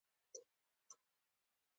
غول د حرکت غوښتونکی دی.